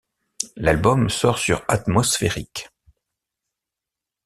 L’album sort sur Atmosphériques.